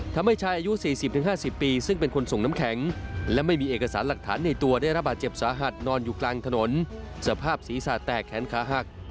ทำให้ชายอายุ๔๐๕๐ปีซึ่งเป็นคนส่งน้ำแข็งและไม่มีเอกสารหลักฐานในตัวได้รับบาดเจ็บสาหัสนอนอยู่กลางถนนสภาพศีรษะแตกแขนขาหัก